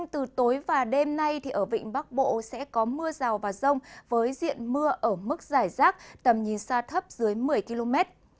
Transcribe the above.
từ tối và đêm nay ở vịnh bắc bộ sẽ có mưa rào và rông với diện mưa ở mức giải rác tầm nhìn xa thấp dưới một mươi km